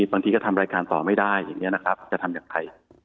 บางทีก็ทำรายการต่อไม่ได้จะทำอย่างไร